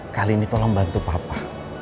kali ini tolong bantu papa